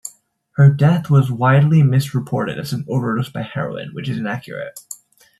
Her death was widely misreported as an overdose by heroin, which is inaccurate.